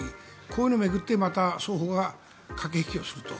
こういうのを巡ってまた双方が駆け引きをすると。